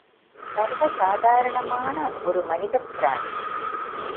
சர்வ சாதாரணமான ஒரு மனிதப் பிராணி.